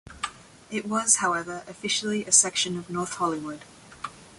It was, however, officially a section of North Hollywood.